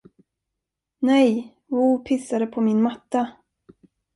Nej, Woo pissade på min matta.